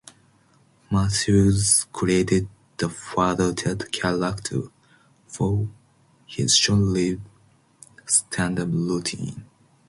Mathews created the Father Ted character for his short-lived stand-up routine.